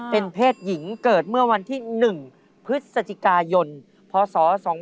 เป็นเพศหญิงเกิดเมื่อวันที่๑พฤศจิกายนพศ๒๕๖